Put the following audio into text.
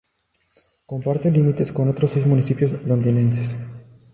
Comparte límites con otros seis municipios londinenses.